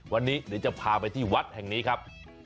วันนี้เดี๋ยวจะพาไปที่วัดแห่งนี้ครับ